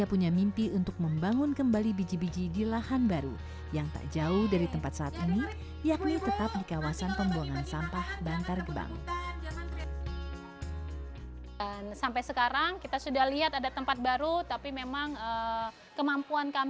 oamiento bawlung amerika negara sampai sekarang kita sudah lihat ada tempat baru tapi memang kemampuan